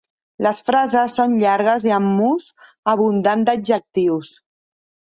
Les frases són llargues i amb ús abundant d'adjectius.